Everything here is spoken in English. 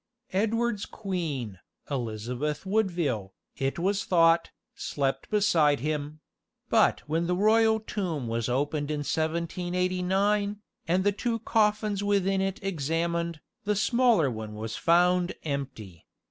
Edward's queen, Elizabeth Woodville, it was thought, slept beside him; but when the royal tomb was opened in 1789, and the two coffins within it examined, the smaller one was found empty.